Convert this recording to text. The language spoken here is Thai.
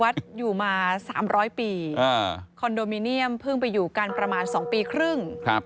อยู่มา๓๐๐ปีคอนโดมิเนียมเพิ่งไปอยู่กันประมาณ๒ปีครึ่ง